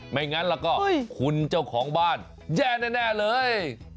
ไม่งั้นแล้วก็คุณเจ้าของบ้านแย่แน่เลย